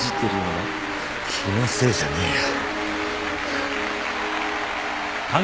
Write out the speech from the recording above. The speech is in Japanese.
気のせいじゃねえよ。